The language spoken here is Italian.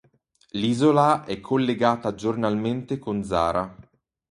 L'isola è collegata giornalmente con Zara.